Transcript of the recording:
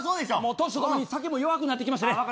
年とともに酒も弱くなってきましたね。